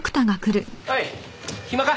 おい暇か？